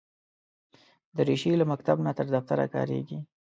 دریشي له مکتب نه تر دفتره کارېږي.